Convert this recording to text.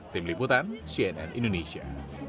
tim liputan cnn indonesia